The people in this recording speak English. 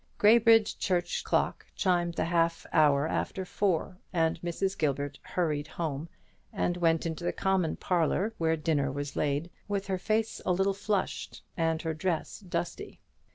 Graybridge church clock chimed the half hour after four, and Mrs. Gilbert hurried home, and went into the common parlour, where dinner was laid, with her face a little flushed, and her dress dusty.